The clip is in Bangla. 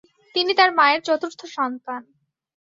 তিনি তার মায়ের চতুর্থ সন্তান।